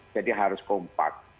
jadi harus kompak